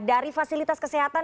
dari fasilitas kesehatan